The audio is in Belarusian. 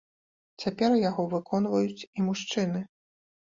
Цяпер яго выконваюць і мужчыны.